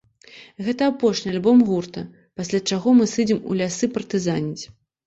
Гэта апошні альбом гурта, пасля чаго мы сыдзем у лясы партызаніць.